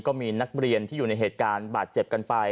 ก็มีนักเรียนที่อยู่ในเหตุการณ์บาดเจ็บกันไป